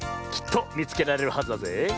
きっとみつけられるはずだぜえ。